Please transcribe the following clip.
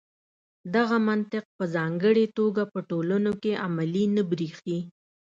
دغه منطق په ځانګړې توګه په ټولنو کې عملي نه برېښي.